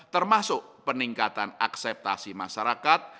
termasuk peningkatan akseptasi masyarakat